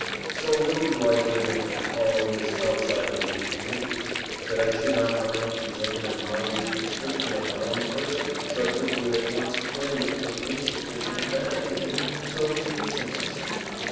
So little do I give in to calling this outside of me, ME, that I should not mind presenting a minute description of my own person such as would at once clear me from any suspicion of vanity in so introducing myself.